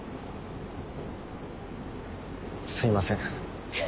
すいません。